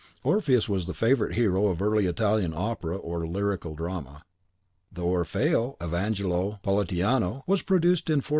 (*Orpheus was the favourite hero of early Italian Opera, or Lyrical Drama. The Orfeo of Angelo Politiano was produced in 1475.